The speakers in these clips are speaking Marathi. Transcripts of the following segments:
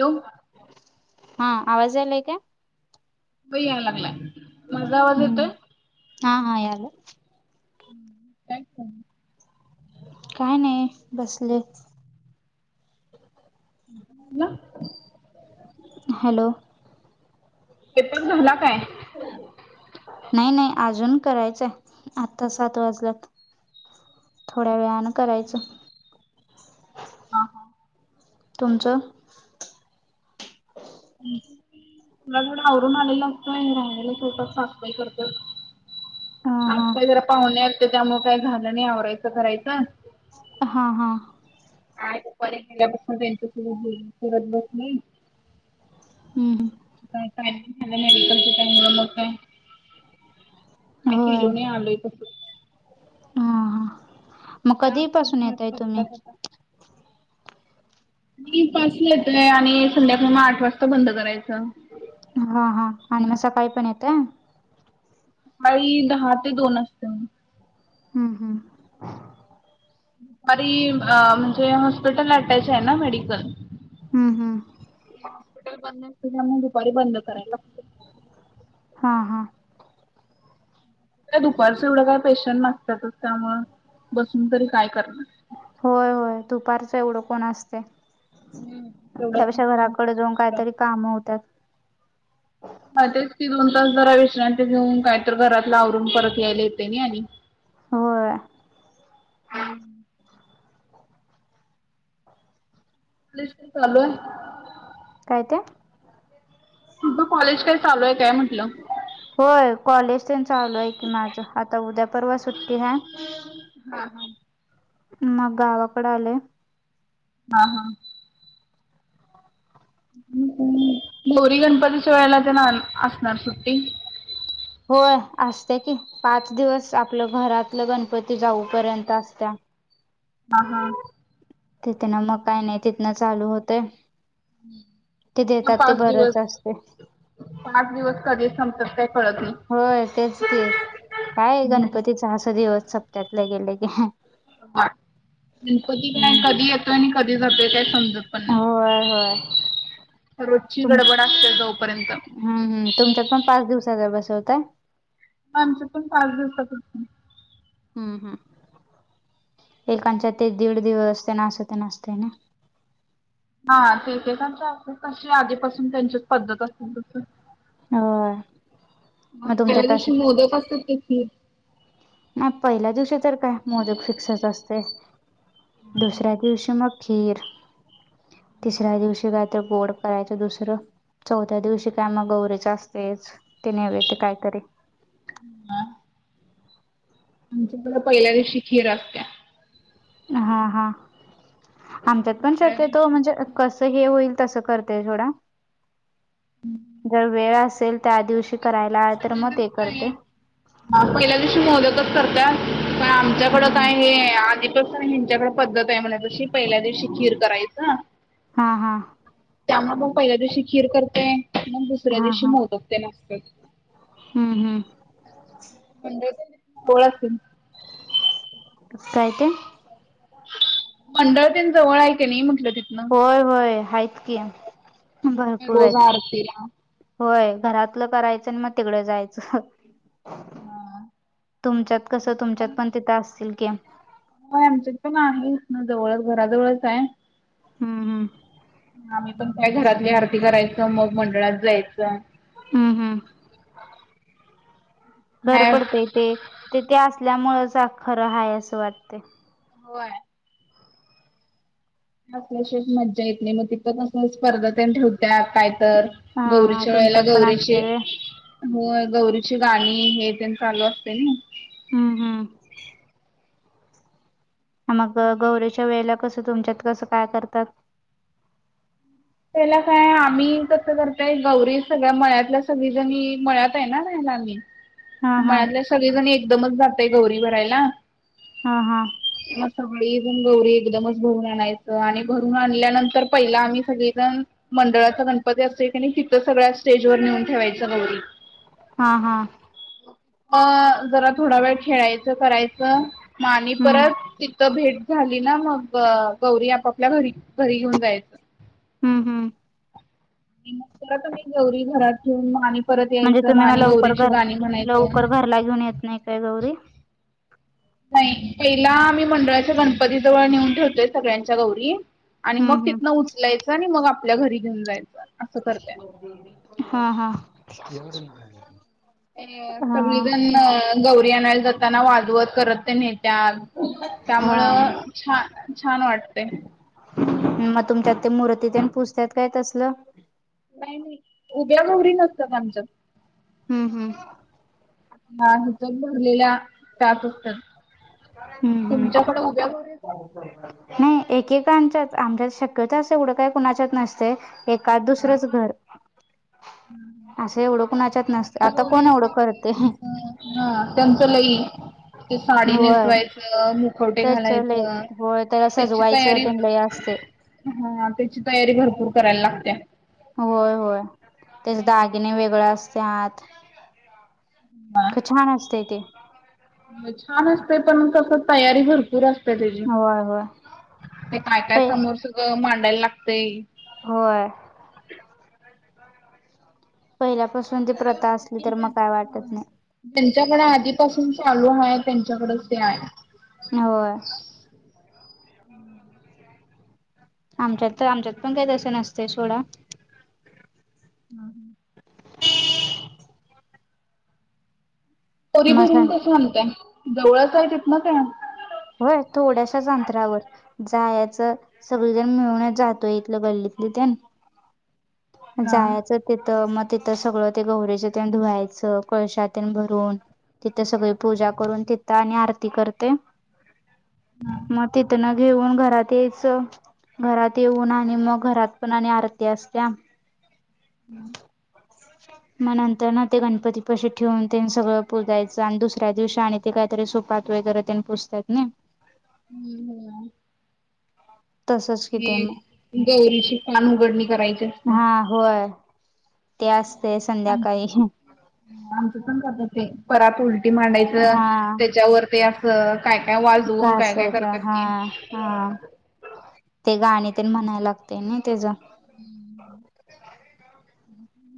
हॅलो हा आवाजलाय का ब याय लागलाय माझझा आवाज येत हम्म हा हा यायलाय. काय काय नाही बसले [unintelligible] हॅलो. ते पण झाला काय? नाही नाही अजून करायचंय आत्ता सात वाजला थोड्या वेळान करायचं. आहो तुमचं? तुला घर आवरून आलेलं असतं राहलेला स्वयंपाक सासुबाई करतात. हा आज हा काही जरा पाहुण्या आलते तर त्यामुळे काय झालं नाही आवरायचं करायचं. हा हा दुपारी गेल्यापसून त्यांच [unintelligible] बसली हम्म झालं मेडिकलच्या टाईमला काय होय केेलो नाही आलोय तसं हा हा मग त्या कधी असतात पासून घरात येताय तुम्ही? करतात आता. मी पाचला येतोय आणि संध्याकाळ मग आठ वाजता बंद करायचं. हा हा आणि मग सकाळी पण येतंय. सकाळीदहा ते दोन असत. हम्म हम्म दुपारी म्हणजे हॉस्पिटल अटॅच आहे ना मेडिकल हम्म हम्म हॉस्पिटल बंद केल्याने मग दुपारी बंद करायला लागते. हा हा काय दुपारचं एवढं काय पेशंट नसतातच त्यामुळे बसून तरी काय करणार? होय होय दुपारच एवढं कोण असते. हम्म. तेवढंच एक त्यापेक्षा दोन तास घराकडे जाऊन काहीतरी विश्रांती. कामं होत्या. हा तेच ती दोन तास जरा विश्रांती घेऊन काय तर घरातला आवरून परत यायला येते नाही आणि होय. [unintelligible] कॉलेज पण चालू आहे काय ते? तुझं कॉलेज काय चालू आहे काय म्हटलं? होय कॉलेज ते न चालू आहे की माझं आता उद्या परवा सुट्टी हाय हा हा मग गावकड आले हा हा गौरी गणपतीच्या वेळेला ते ना असणार सुट्टी. होय असते की पाच दिवस आपलं घरातलं गणपती जाऊपर्यंत असत्या. हा हा. तिथे ना म काय नाही तिथन चालू होतय ते मग देतात ते पाच दिवस. बरंच असते पाच दिवस कधी संपतात ते कळत नाही. होय तेच की काय गणपतीचा अस दिवस सप्त्यातलं गेलं की गणपती काय हम्म कधी येतोय आणि कधी जातोय काय समजत पण होय होय नाही रोजची तुमच गडबड असते जा हम्म हम्म तुमच्यात पण पाच दिवसाचा बसवताय? आमच्या पण पाच दिवसाचा हम्म हम्म एांच्या ते दीड दिवस ते ना असं ते नासते ना. हा ते ते असे तशी आधीपासून त्यांचीच पद्धत असतील तस होय मग तुमच्या त्यादिवशी तासात मोदक असत्यात तथे नाही पहिल्या दिवशी तर काय मोदक फिक्सच असते. दुसऱ्या दिवशी मग खीर तिसऱ्या दिवशी काय तर गोड करायचं दुसरं चौथ्या दिवशी काय मग गौरीेच असतेच ते नेवहे ते कायतरी ह् ह आमच्याकडे पहिल्या दिवशी खीर असते. हा हा आमच्यात पण दुसऱ्या शक्यतो दिवशी म्हणजे मग मोदक. कस हे होईल तस करत ते ोडा जर वेळ असेल त्या दिवशी करायला तर मग ते करते. हा पहिल्या दिवशी मोदकच करत पण आमच्याकडं हम्म काय हे आ त हिंच्याकडे पद्धत आहे म्हणा जशी पहिल्या दिवशी खीर करायचं हा हा. त्यामुळे मग पहिल्या दिवशी खीर करते मग दुसऱ्या हा दिवशी हा मोदकते नसत. हम्म हम्. म्हण कोळ अस इपय ते? मंडळतेन जवळ क नाही म्हटलं तिथन? होय होय आहेत की मग काय भरपूर रोज आहेत. आरतीला होय घरातलं करायचं आणि मग तिकडं जायचं. हा. तुमच्यात कस तुमच्यात पण तिथं असतील की. आमच्यात पण आहे ना जवळच घराजवळच आहे हम हम. आम्ही पण काय घरातली आरती करायच मग मंडळात जायचं हम्म हम्. घर काय पडते ते ते ते असल्यामुळेंच खरं आहेय असं वाटते होय कल्याशच मजा येत नाही मग तिं क स्पर्धा त्या ठेवत्या काय तर हा हा गौरीच्या वेळेला तुमच्यात पण गौरीचे असतंय व्हय हो गौरीची गाणी हे पण चालू असते ना हम्म हम्म मग गौरीच्या वेळेला कस तुमच्यात कसं काय करतात त्याला काय आम्ही कस करताय गौरी सगळ्या मळ्यातल्या सगळी जणी मळ्यात रायला हा म हा मळले सगळेजणी एकदमच जातय गौरी भरायला हा हा मग सगळीऊन गौरी एकदमच भरून आणायचं आणि भरून आणल्यानंतर पहिला आम्ही सगळे मंडळाचा गणपती असेल की नाही तिथं सगळ्या स्टेज वर नेऊन ठेवायच गौरी हा हा म जरा थोडा वेळ खेळायचं करायचं म आणि हम्म परत तिथथं भेट झाली ना मग गौरी आपापल्या घरी घरी घेऊन जायच हम्म हम्म मग आम्ही गौरी घरात ठेऊन मा आणि परत म्हणजे यायचं मग तुम्ही म आणि लवकर गौरीची घर गाणी म्हणायचं लवकर घरला घेऊन येत नाही काय गौरी नाही पहिला मम्ही मंडळाच्या गणपती जवळ नेऊन ठेवतोय सगळ्यांच्या गौरी आणि मग हम्म हम्म तिथनं उचलायचं आणि मग आपल्या घरी घेऊन जायचं असं करतेय हा हा अ हा सगळीजण गौरी आणायला जाताना वादवद करत ते न त्या हा हा त्यामुळं छान छान वाटते मग तुमच्यात ते मूर्तीत आणि पुसतात काय तसलं नाही नाही उभ्या मोहरी नसतात आमच्या हम्म हम्म ह हथ भरलेल्या त्यात असत्या हम्म हम्म. तुमच्याकडे उभ्या नाही एकेकांच्या आमच्यात शक्यता असं एवढं काय कुणाच्यात नसते एका हा दुसरंच घर असं एवढं कोणाच्यात ते नसते उभ्या आता गौरी कोण एवढं असलं की करते त्यांचं हा त्यांचं लई ते साडी होय नेसवायचं मुखवटे त्याच लय घालायचं होय त्याला त्याची सजवायचं तयारी तेन लय असतंय. हा त्याची तयारी भरपूर करायला लागते होय होय त्याचे दागिने वेगळ असते आत हा ख छान असतय ते छान असते पण तस तयारी भरपूर असते होय होय ते काय काय पै समोर सग मांडायला लागतय होय पहिल्यापासून ती प्रथा असली तर मग काय वाटत नाही त्यांच्याकडे आधीपासून चालू आहे त्यांच्याकडेच ते आहे हो आमच्यात तर आमच्यात पण काही तसं नसते सोडा हम पोरी मसा भरून कसं आणताय जवळच आहेय तथ ना काय होय थोड्याश्याच अंतरावर जायच सगळेजण मिळण्यात जातोय इथलं गल्लीतले तेण हा. जायचं तिथं मग तिथं सगळं ते गौरीेच धुवायचं कळशातात भरून तिथे सगळी पूजा करून तिथं आणि आरती करते हा. मग तिथून घेऊन घरात यायचं घरात येऊन आणि मग घरात पण आणि आरती असत्या हम् मग नंतर ना ते गणपती पशी ठेवून त्यां सगळं प पुजायचं आणि दुसऱ्या दिवशी आणि ते काहीतरी सोपात वगैरे त्यांनी पुोसतात ना. हम् हम. तसंच कि ते मग हे गौरीची पान उघडणी करायची. असत्या. हा होय ते असते संध्याकाळी आमचं पण करतच आहे परत उलटी मांडायचं हा त्याच्यावर ते असं काय काय वाजवून काय काय घासायचा करतात हा की हा ते गाणी तर म्हणायला लागते ना त्याच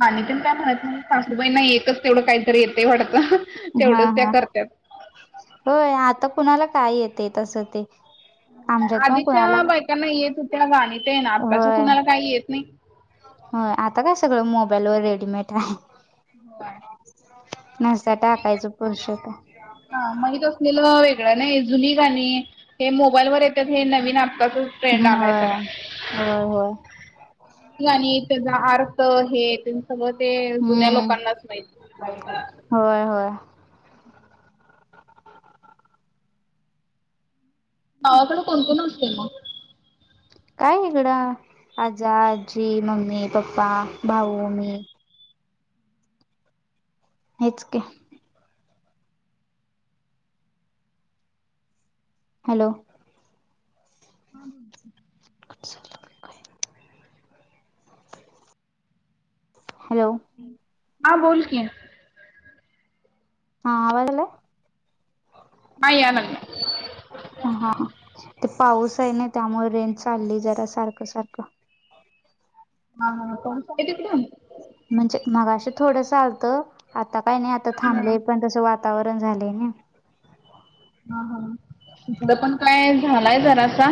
आणििकण काय म्हणत सासूबाईना येतच तेवढं काहीतरी येतंय वाटतं. हा तेवढंच त्या हा करत्यात. होय आता कुणाला काय येते तसं ते आमच्यात पण आधीच्या कुणाला बायकांना येत होत्या गाणीत ना आताच्या खुणाला काही येत नाही. हो आता काय सगळं मोबाईल व रेडीमेड आहे. हो. नसता टाकायच पुरुषता हा माहीत असलेलं वेगळं नाही जुनी काणी हे मोबाईल वर येतात हे नवीन आपताचच ् ह होय होय. आणि त्याचा अर्थ हे सगळं ते जुन्या हम्म लोकांनाच माहिती होय होय. गावाकडे कोणकण असते मग काय इकडं आजा आजी मम्मी पप्पा भाऊ मी हेच के. हॅलो. हा बोल. [inaudible] हॅलो. हा बोल क. हा आजला माय आन ह हा. ते पाऊस आहे ना त्यामुळे रेन चालली जरा सारखं सारखं. हा ह कोण सळी ते क म्हणजे मगं थोडं चालतं आता काय नाही आता हां. थांबले पण तस वा. वातावरण झालेय ना. हा हा तकड पण काय झालाय जरासा.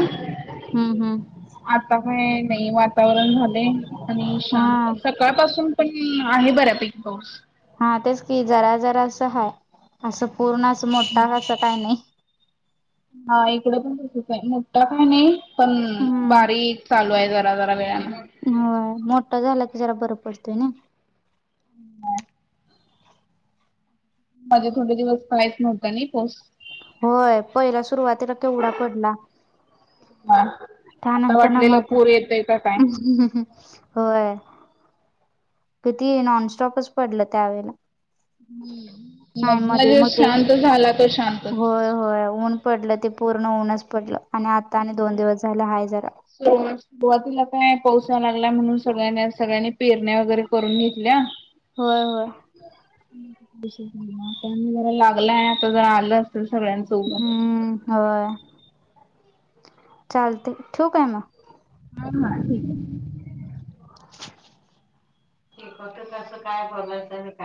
हम्म हम्म आता काय नाही वातावरण झाले आणि हा शांत सकाळपासून पण आहे बऱ्या पिकबाऊस हा तेच की जरा जरा असं हा असं पूर्ण अस मोठा असं काही नाही. हा इकड पण तसच आहे मोठा काय नाही पण हम्म बारीक चालू आहे झा. वे ना. ह मोटाझ झाला की जरा बर पडतव ना. माझे थोडे दिवस कायच नव्हत नाही पोच होय पहिला सुरुवातीला केवडा पडला. हा आता त्यानंतर ना वाटलेलं मध्ये पूर येतय का काय. होय. कती नॉनस्टॉपच पडलं त्यावेळेला ् मग म्हजे मग ते शांत झाला तो शांत. होय होय ऊन पडलं ते पूर्ण ऊनच पडलं आणि आता आणि दोन दिवस झाले हाय जरा स सुरवातीला काय पाोसाय लागला म्हणून सगळ्यां सगळ्यांनी पेरण्या वगैरे करून घेतल्या. होय होय. जरा लागलं आहे आता जरा आलं असेल सगळ्यां हम्म होय चालते ठेव काय मग हा हा ठीक आहे. ठीक होत कस काय बोलायचं काही